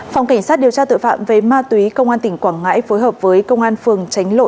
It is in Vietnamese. phòng cảnh sát điều tra tội phạm về ma túy công an tỉnh quảng ngãi phối hợp với công an phường tránh lộ